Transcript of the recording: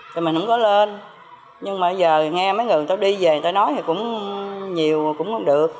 thì mình không có lên nhưng mà giờ nghe mấy người tao đi về tao nói thì cũng nhiều cũng không được